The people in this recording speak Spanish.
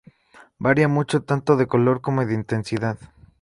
Varía mucho tanto de color como de intensidad.